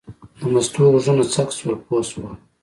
د مستو غوږونه څک شول پوه شوه.